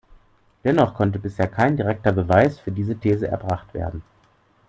Dennoch konnte bisher kein direkter Beweis für diese These erbracht werden.